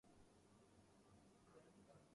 پاکستان میں آج یہی پاپولزم کی سیاست فروغ پا رہی ہے۔